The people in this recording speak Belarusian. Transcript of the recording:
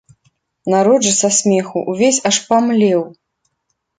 Народ жа са смеху увесь аж памлеў.